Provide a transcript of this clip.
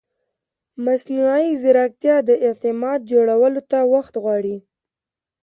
مصنوعي ځیرکتیا د اعتماد جوړولو ته وخت غواړي.